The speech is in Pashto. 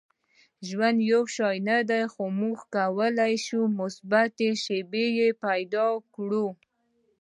• ژوند یو شان نه دی، خو موږ کولی شو مثبتې شیبې پیدا کړو.